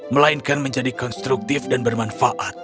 melainkan menjadi konstruktif dan bermanfaat